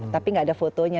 tapi nggak ada fotonya